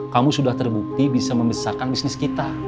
kamu sudah terbukti bisa membesarkan bisnis kita